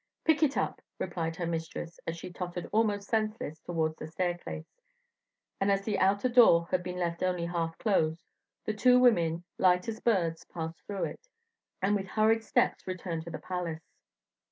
"Pick it up," replied her mistress, as she tottered almost senseless towards the staircase, and as the outer door had been left only half closed, the two women, light as birds, passed through it, and with hurried steps returned to the palace.